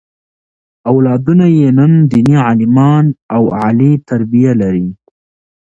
اولادونه یې نن دیني عالمان او عالي تربیه لري.